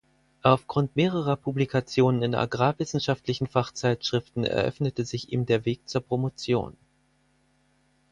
Aufgrund mehrerer Publikationen in agrarwissenschaftlichen Fachzeitschriften eröffnete sich ihm der Weg zur Promotion.